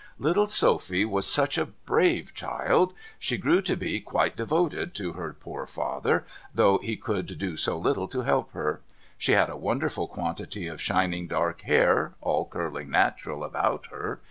Little Sophy was such a brave child ! She grew to be quite devoted to her poor father, though he could do so little to help her. She had a wonderful quantity of shining dark hair, all curling natural about her.